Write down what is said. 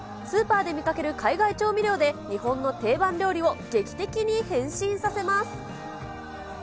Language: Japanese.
スーパーで見かける海外調味料で、日本の定番料理を劇的に変身させます。